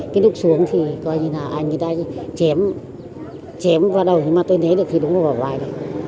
tên lúc xuống thì coi như là anh người ta chém chém vào đầu mà tôi thấy được thì đúng là bỏ hoài rồi